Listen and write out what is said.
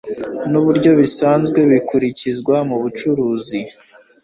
n uburyo bisanzwe bikurikizwa mu bucuruzi